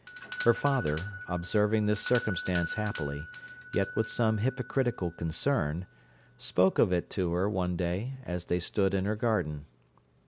Her father, observing this circumstance happily, yet with some hypocritical concern, spoke of it to her one day as they stood in her garden.